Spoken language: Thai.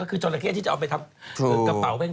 ก็คือจราเข้ที่จะเอาไปทำกระเป๋าแบงค